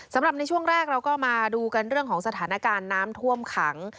สำหรับในช่วงแรกเราก็มาดูกันเรื่องของสถานการณ์น้ำท่วมขัง